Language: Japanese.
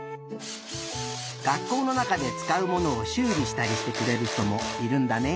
学校のなかでつかうものをしゅうりしたりしてくれるひともいるんだね。